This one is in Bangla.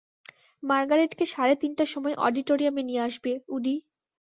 মার্গারেট কে সাড়ে তিনটার সময় অডিটোরিয়ামে নিয়ে আসবে, উডি।